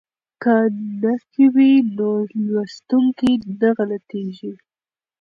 که نښې وي نو لوستونکی نه غلطیږي.